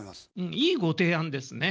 いいご提案ですね。